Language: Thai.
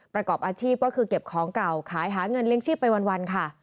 ประกอบอาชีพก็คือเก็บของเก่าขายหาเงินเลี้ยงชีพไปวันค่ะ